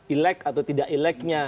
ilek atau tidak eleknya